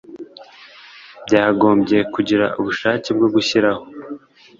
Byagombye kugira ubushake bwo gushyiraho